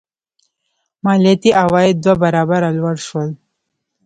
مالیاتي عواید دوه برابره لوړ شول.